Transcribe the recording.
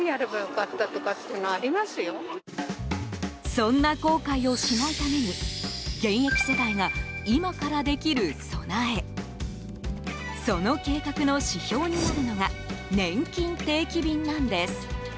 そんな後悔をしないために現役世代が今からできる備えその計画の指標になるのがねんきん定期便なんです。